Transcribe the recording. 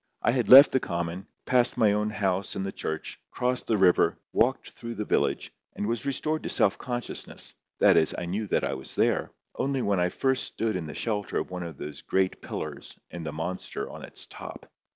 I had left the common, passed my own house and the church, crossed the river, walked through the village, and was restored to self consciousness—that is, I knew that I was there—only when first I stood in the shelter of one of those great pillars and the monster on its top.